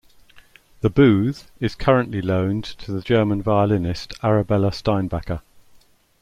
The "Booth" is currently loaned to the German violinist Arabella Steinbacher.